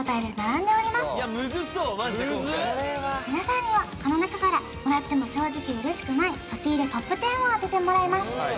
そうマジで今回ムズっ皆さんにはこの中からもらっても正直嬉しくない差し入れＴＯＰ１０を当ててもらいます